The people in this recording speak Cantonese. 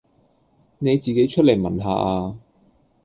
你自己出嚟聞吓呀